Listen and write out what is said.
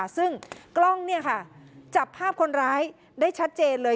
ซึ่งกล้องจับภาพคนร้ายได้ชัดเจนเลย